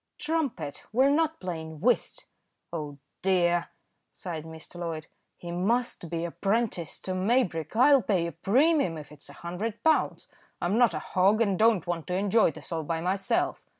"Trump it! we're not playing whist." "Oh dear!" sighed Mr. Loyd. "He must be apprenticed to Maybrick. I'll pay a premium if it's a hundred pounds. I'm not a hog, and don't want to enjoy this all by myself.